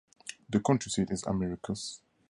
The county seat is Americus.